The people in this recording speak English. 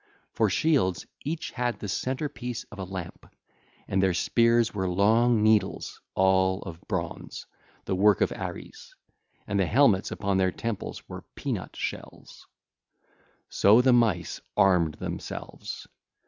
For shields each had the centre piece of a lamp, and their spears were long needles all of bronze, the work of Ares, and the helmets upon their temples were pea nut shells. (ll. 132 138) So the Mice armed themselves.